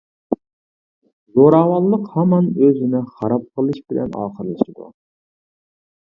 زوراۋانلىق ھامان ئۆزىنى خاراب قىلىش بىلەن ئاخىرلىشىدۇ.